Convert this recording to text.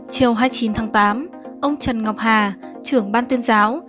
chiều hai mươi chín tháng tám ông trần ngọc hà trưởng ban tuyên giáo